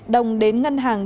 đồng đến ngân hàng